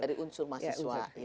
dari unsur mahasiswa